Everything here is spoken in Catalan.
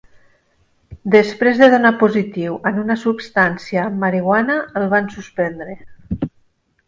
Després de donar positiu en una substància amb marihuana, el van suspendre.